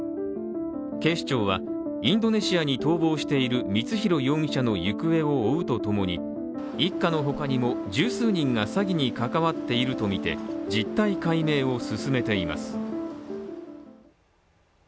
警視庁はインドネシアに逃亡している光弘容疑者の行方を追うとともに一家の他にも十数人が詐欺に関わっているとみて実態解明を進めています。